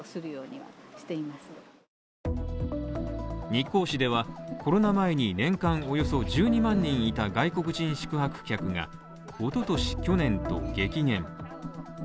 日光市では、コロナ前に年間およそ１２万人いた外国人宿泊客が一昨年、去年と激減。